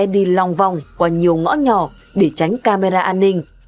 đi lòng vòng qua nhiều ngõ nhỏ để tránh camera an ninh